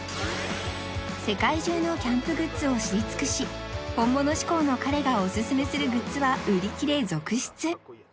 世界中のキャンプグッズを知り尽くし本物志向の彼がおすすめするグッズは売り切れ続出